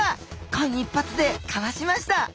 間一髪でかわしました。